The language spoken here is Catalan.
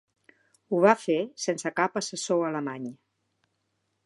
Ho va fer sense cap assessor alemany.